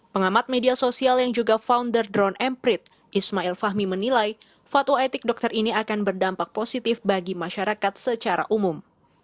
pengamat media sosial yang juga founder drone emprit ismail fahmi menilai fatwa etik dokter ini akan berdampak positif bagi masyarakat secara umum